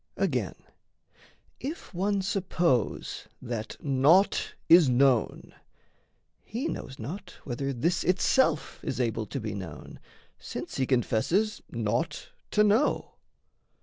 Again, if one suppose That naught is known, he knows not whether this Itself is able to be known, since he Confesses naught to know.